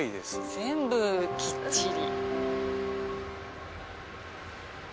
全部きっちり。